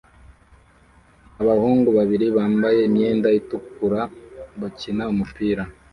Abahungu babiri bambaye imyenda itukura bakina umupira